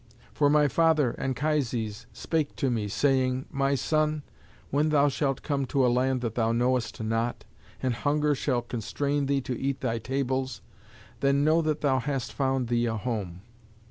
For my father, Anchises, spake to me, saying, 'My son, when thou shalt come to a land that thou knowest not, and hunger shall constrain thee to eat thy tables, then know that thou hast found thee a home.'